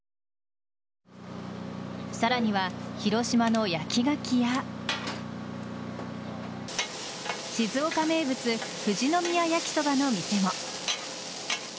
さらには、広島の焼きガキや静岡名物富士宮やきそばの店も。